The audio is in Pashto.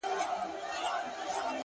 o سم داسي ښكاري راته؛